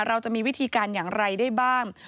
เราจะมีวิธีการอย่างไรได้บ้าง